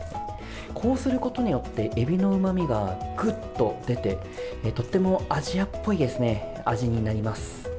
こうすることによってえびのうまみがグッと出てとってもアジアっぽい味になります。